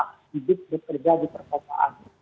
hidup bekerja di perkotaan